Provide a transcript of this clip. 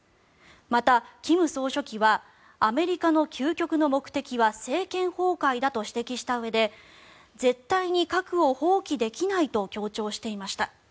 また、金総書記はアメリカの究極の目的は政権崩壊だと指摘したうえで絶対に核を放棄できないと強調していました。